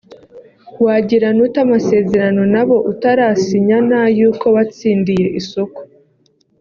wagirana ute amasezerano nabo utarasinya n'ay'uko watsindiye isoko